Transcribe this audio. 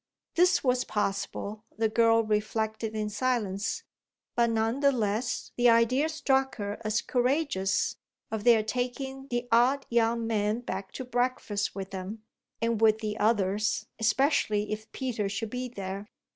This was possible, the girl reflected in silence, but none the less the idea struck her as courageous, of their taking the odd young man back to breakfast with them and with the others, especially if Peter should be there.